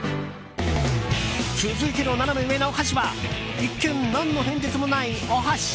続いてのナナメ上なお箸は一見、何の変哲もないお箸。